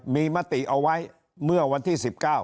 มีมติเอาไว้เมื่อวันที่๑๙